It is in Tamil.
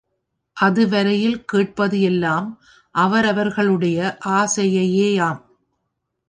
அது வரையில் கேட்பது எல்லாம் அவரவர்களுடைய ஆசையையேயாம்.